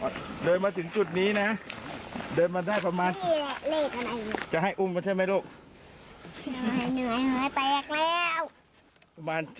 บอกเลยมาถึงจุดนี้นะเดินมาได้ประมาณเศรษฐ์ของมันหรอ